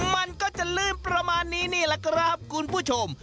มันก็จะลื่นประมาณนี้นี่แหละครับคุณผู้ชม